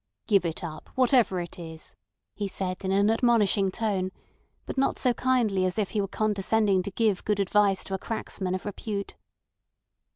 "Give it up—whatever it is," he said in an admonishing tone, but not so kindly as if he were condescending to give good advice to a cracksman of repute.